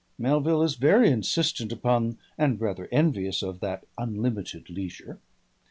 Melville is very insistent upon and rather envious of that unlimited leisure.